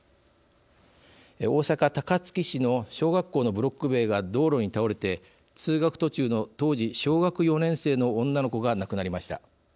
大阪・高槻市の小学校のブロック塀が道路に倒れて通学途中の当時小学４年生の女の子が亡くなりました。